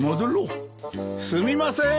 すみません。